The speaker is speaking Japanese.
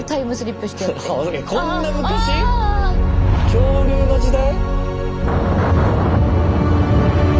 恐竜の時代？